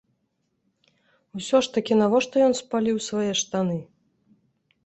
Усё ж такі навошта ён спаліў свае штаны?